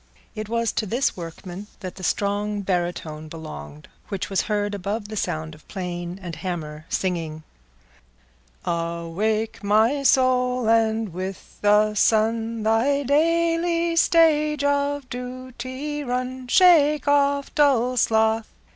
It was to this workman that the strong barytone belonged which was heard above the sound of plane and hammer singing— Awake, my soul, and with the sun Thy daily stage of duty run; Shake off dull sloth...